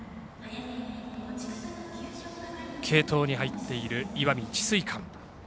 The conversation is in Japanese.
継投に入っている石見智翠館。